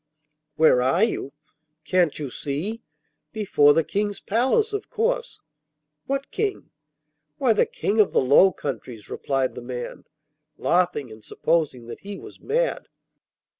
'Where are you? Can't you see? Before the King's palace, of course.' 'What King?' 'Why the King of the Low Countries!' replied the man, laughing and supposing that he was mad.